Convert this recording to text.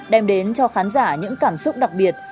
đem đến cho khán giả những cảm xúc đặc biệt